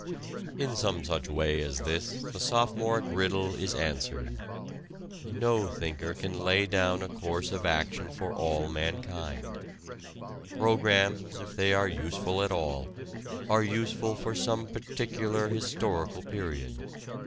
In some such way as this the sophomoric riddle is answered: no thinker can lay down a course of action for all mankind programs if they are useful at all are useful for some particular historical period.